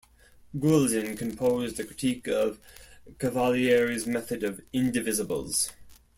Guldin composed a critique of Cavalieri's method of Indivisibles.